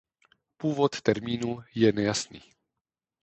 Původ termínu je nejasný.